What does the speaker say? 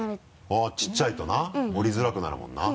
あっ小さいとな折りづらくなるもんな。